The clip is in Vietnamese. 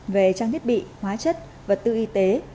về trang thiết bị hóa chất vật tư y tế